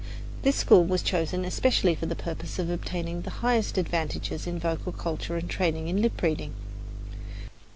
This school was chosen especially for the purpose of obtaining the highest advantages in vocal culture and training in lip reading.